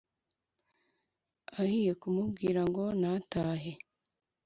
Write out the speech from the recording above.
ahiye kumubwira ngo natahe